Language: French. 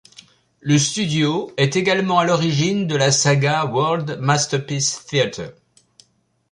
Le studio est également à l'origine de la saga World Masterpiece Theater.